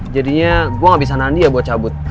jadinya gue gak bisa nandi ya buat cabut